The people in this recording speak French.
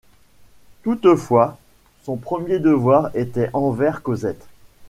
Toutefois, son premier devoir était envers Cosette.